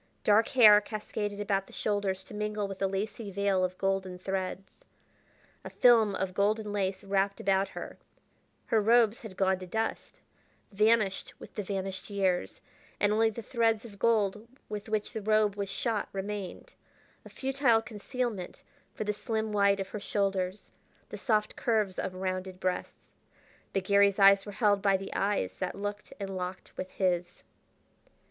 Dark hair cascaded about the shoulders to mingle with a lacy veil of golden threads. A film of golden lace wrapped about her her robes had gone to dust, vanished with the vanished years and only the threads of gold with which the robe was shot remained, a futile concealment for the slim white of her shoulders, the soft curves of rounded breasts. But Garry's eyes were held by the eyes that looked and locked with his.